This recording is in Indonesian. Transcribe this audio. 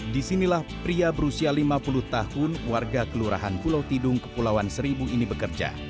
disinilah pria berusia lima puluh tahun warga kelurahan pulau tidung kepulauan seribu ini bekerja